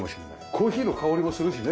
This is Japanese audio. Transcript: コーヒーの香りもするしね。